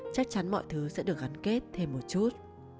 chắc chắn mọi thứ sẽ được gắn kết thêm một chút